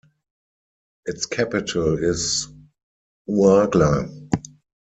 Its capital is Ouargla.